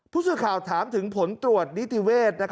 ผู้ช่วยข่าวถามถึงผลตรวจนิติเวทย์